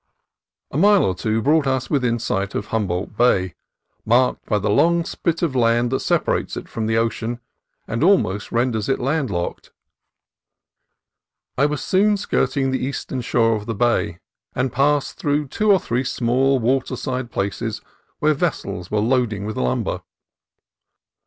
A mile or two brought us within sight of Humboldt Bay, marked by the long spit of sand that separates it from the ocean, and almost renders it landlocked. I was soon skirting the eastern shore of the bay, and passed through two or three small waterside places where vessels were loading with lumber.